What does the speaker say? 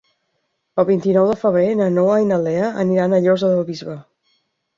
El vint-i-nou de febrer na Noa i na Lea aniran a la Llosa del Bisbe.